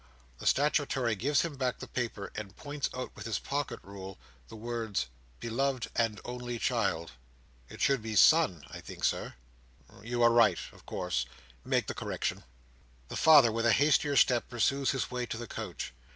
The statuary gives him back the paper, and points out, with his pocket rule, the words, "beloved and only child." "It should be, 'son,' I think, Sir?" "You are right. Of course. Make the correction." The father, with a hastier step, pursues his way to the coach.